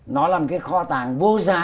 nó là một cái kho tàng vô giá